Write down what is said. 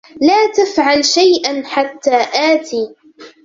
لا تفعل شيئا حتى آتي.